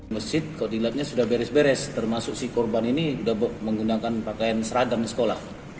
masjid kodilabnya sudah beres beres termasuk si korban ini sudah menggunakan pakaian seradang di sekolah